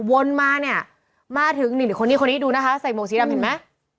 วนมาเนี่ยมาถึงคนนี้ดูนะคะใส่โมงสีดำเห็นไหม